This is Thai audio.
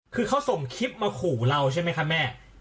คือเขาส่งคลิปมาขู่เราใช่ไหมคะแม่